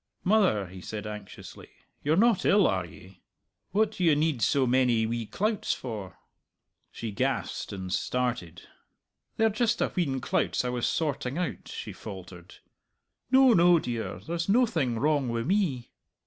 "Mother," he said anxiously, "you're not ill, are ye? What do ye need so many wee clouts for?" She gasped and started. "They're just a wheen clouts I was sorting out," she faltered. "No, no, dear, there's noathing wrong wi' me."